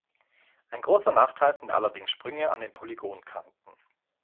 Ein großer Nachteil sind allerdings Sprünge an den Polygon-Kanten.